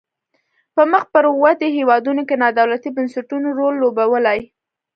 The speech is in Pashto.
په مخ پر ودې هیوادونو کې نا دولتي بنسټونو رول لوبولای.